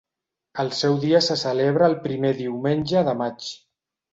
El seu dia se celebra el primer diumenge de maig.